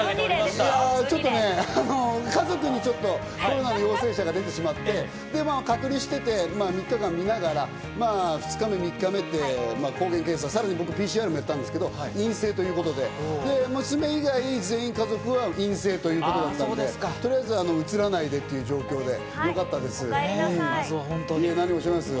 ちょっとね、家族にちょっとコロナの陽性者が出てしまって、隔離していて、３日間見ながら、２日目、３日目って抗原検査、さらに僕ＰＣＲもやったんですけど陰性ということで、娘以外、全員家族は陰性ということで、とりあえず、うつらないでという状況でよかったです。